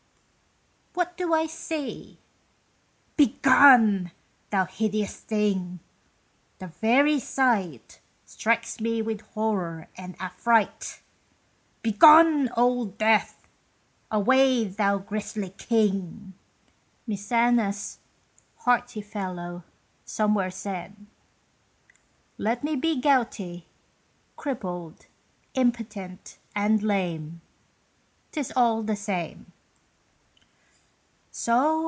"What do I see? begone, thou hideous thing! The very sight Strikes me with horror and affright! Begone, old Death! Away, thou grisly King!" Mecænas (hearty fellow) somewhere said; "Let me be gouty, crippled, impotent and lame, 'Tis all the same.